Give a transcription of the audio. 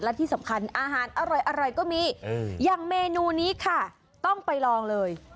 และที่สำคัญอาหารอร่อยก็มีอย่างเมนูนี้ค่ะต้องไปลองเลย